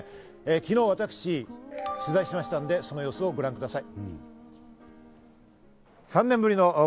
昨日、私、取材しましたので、その様子をご覧ください。